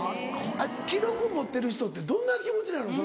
記録持ってる人ってどんな気持ちなの？